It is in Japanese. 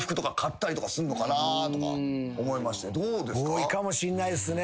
多いかもしんないですね。